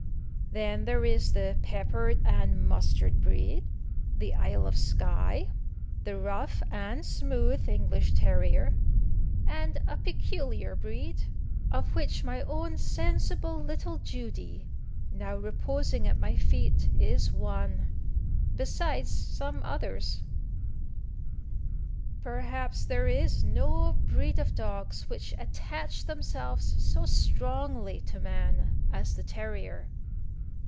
Then there is the pepper and mustard breed, the Isle of Sky, the rough and smooth English terrier, and a peculiar breed, of which my own sensible little Judy, now reposing at my feet, is one, besides some others. Perhaps there is no breed of dogs which attach themselves so strongly to man as the terrier.